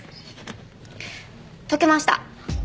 解けました。